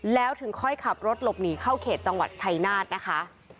แล้วถึงค่อยขับรถหลบหนีเข้าเขตจังหวัดชัยนาธนะคะ